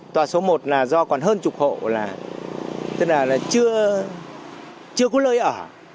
tòa số một là do còn hơn chục hộ là chưa có lơi ở